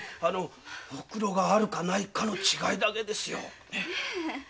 ホクロがあるかないかの違いだけですよ。ね？